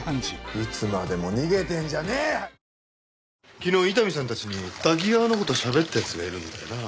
昨日伊丹さんたちに瀧川の事をしゃべった奴がいるんだよなあ。